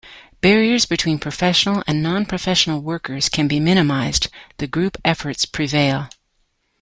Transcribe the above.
Barriers between professional and non-professional workers can be minimised, the group efforts prevail.